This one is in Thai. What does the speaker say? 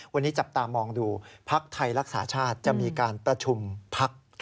วันนี้จับตามองดูพักไทยรักษาชาติจะมีการประชุมพัก